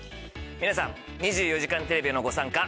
皆さん『２４時間テレビ』へのご参加。